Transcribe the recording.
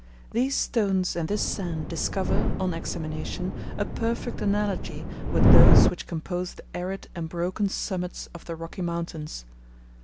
These stones and this sand discover, on examination, a perfect analogy with those which compose the arid and broken summits of the Rocky Mountains.